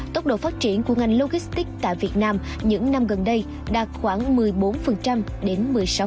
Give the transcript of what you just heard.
tốc độ phát triển của ngành logistics tại việt nam những năm gần đây đạt khoảng một mươi bốn đến một mươi sáu